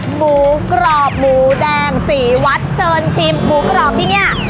หมูกรอบหมูแดงสี่วัดเชิญชิมหมูกรอบที่เนี่ย